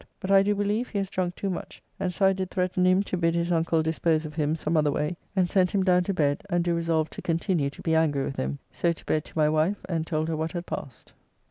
But I do believe he has drunk too much, and so I did threaten him to bid his uncle dispose of him some other way, and sent him down to bed and do resolve to continue to be angry with him. So to bed to my wife, and told her what had passed.